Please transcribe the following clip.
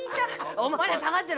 お前ら下がってろ！